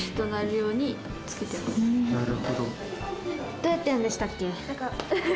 どうやってやるんでしたっけ？